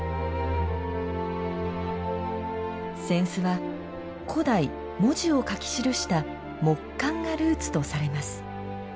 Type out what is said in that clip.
扇子は、古代、文字を書き記した木簡がルーツとされます。